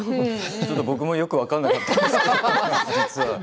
ちょっと僕もよく分かんなかったんですけど実は。